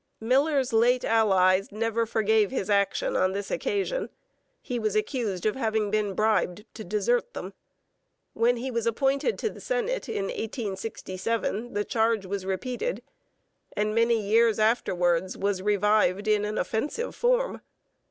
Miller's late allies never forgave his action on this occasion. He was accused of having been bribed to desert them. When he was appointed to the Senate in 1867 the charge was repeated, and many years afterwards was revived in an offensive form.